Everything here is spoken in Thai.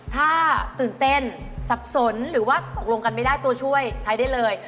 ถ้าตื่นเต้นสับสนหรือว่าตกลงกันไม่ได้ตัวช่วยใช้ได้เลย